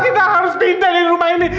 kita harus pindah di rumah ini